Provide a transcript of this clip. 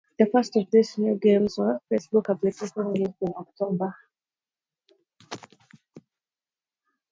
The first of these new games was a Facebook application, released in October.